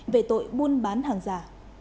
về tội buôn bán hàng giả